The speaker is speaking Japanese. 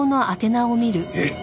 えっ！